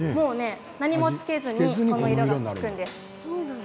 何もつけずにこの色になるんです。